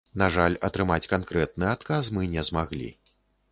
На жаль, атрымаць канкрэтны адказ мы не змаглі.